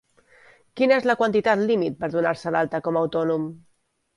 Quina és la quantitat límit per donar-se d'alta com a autònom?